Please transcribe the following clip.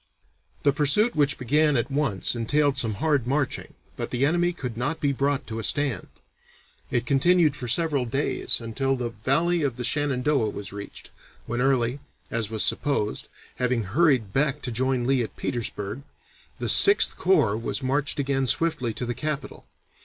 The pursuit which began at once entailed some hard marching, but the enemy could not be brought to a stand. It continued for several days until the Valley of the Shenandoah was reached, when Early, as was supposed, having hurried back to join Lee at Petersburg, the Sixth Corps was marched again swiftly to the capital.